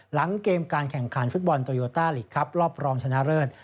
หลังเกมการแข่งขันฟุตบอลโตโยต้าลีกครับรอบรองชนะเลิศ